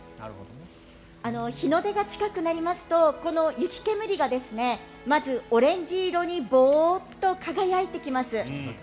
日の出が近くなりますとこの雪煙がまず、オレンジ色にボーッと輝いてきます。